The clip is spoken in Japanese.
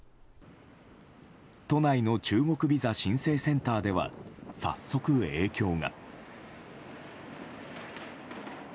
都内の中国ビザ申請センターでは早速、影響が。